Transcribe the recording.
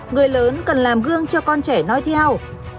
người lớn cần làm gương cho con trẻ nói theo